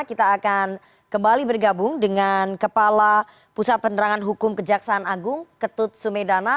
kita akan kembali bergabung dengan kepala pusat penerangan hukum kejaksaan agung ketut sumedana